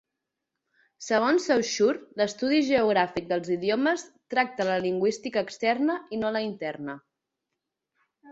Segons Saussure, l'estudi geogràfic dels idiomes tracta la lingüística externa i no la interna.